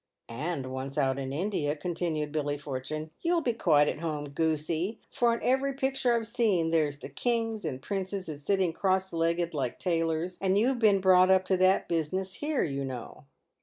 "And once out in India," continued Billy Fortune, " you'll be quite at home, Goosey ; for in every picture I've seen, there the kings and princes is sitting cross legged like tailors, and you've been brought up to that business here, you know."